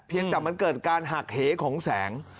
ยังแต่มันเกิดการหักเหของแสง